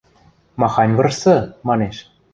– Махань вырсы? – манеш.